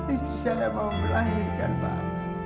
istri saya mau melahirkan pak